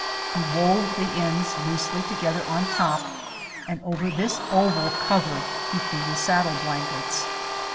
He wove the ends loosely together on top, and over this oval cover he threw the saddle blankets.